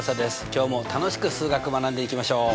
今日も楽しく数学学んでいきましょう。